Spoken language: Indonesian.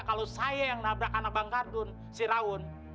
kalau saya yang nabrak anak bang ardun si raun